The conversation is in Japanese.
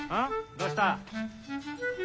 どうした？